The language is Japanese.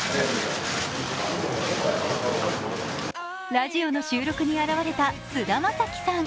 ラジオの収録に現れた菅田将暉さん。